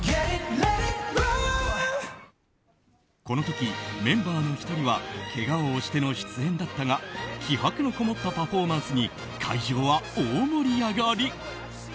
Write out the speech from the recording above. この時、メンバーの１人はけがを押しての出演だったが気迫のこもったパフォーマンスに会場は大盛り上がり。